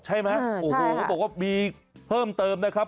ใช่ไหมโอ้โหเขาบอกว่ามีเพิ่มเติมนะครับ